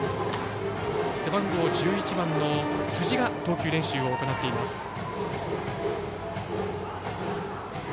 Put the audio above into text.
背番号１１番の辻が投球練習を行っています。